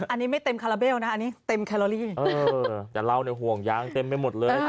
อันนี้ไม่เต็มแคลอร์เบลอันนี้เต็มแคลอรี่